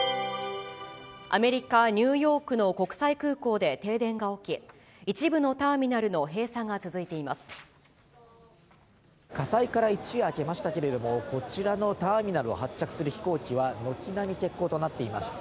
アメリカ・ニューヨークの国際空港で停電が起き、一部のター火災から一夜明けましたけれども、こちらのターミナルを発着する飛行機は、軒並み欠航となっています。